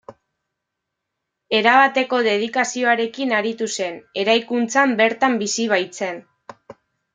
Erabateko dedikazioarekin aritu zen, eraikuntzan bertan bizi baitzen.